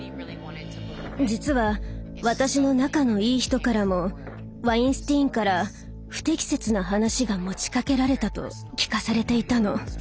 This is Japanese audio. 実は私の仲のいい人からもワインスティーンから不適切な話が持ちかけられたと聞かされていたの。